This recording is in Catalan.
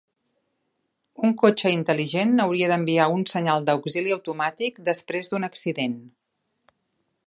Un cotxe intel·ligent hauria d'enviar un senyal d'auxili automàtic després d'un accident.